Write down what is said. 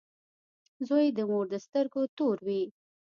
• زوی د مور د سترګو ستوری وي.